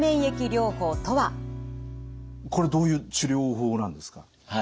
これどういう治療法なんですか？